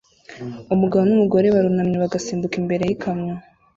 Umugabo numugore barunamye bagasimbuka imbere yikamyo